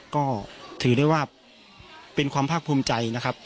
ก็ถือได้ว่าเป็นความภาคภูมิใจนะครับ